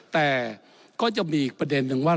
แต่ก็จะมีอีกประเด็นนึงว่า